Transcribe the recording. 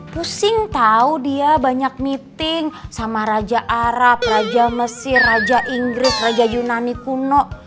pusing tahu dia banyak meeting sama raja arab raja mesir raja inggris raja junani kuno